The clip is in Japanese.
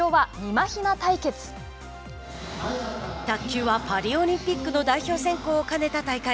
卓球はパリオリンピックの代表選考を兼ねた大会。